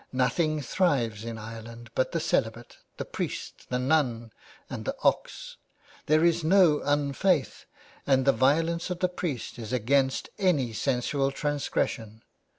Nothing thrives in Ireland, but the celibate, the priest, the nun and the ox. There is no unfaith and the violence of the priest is against any sensual trangression.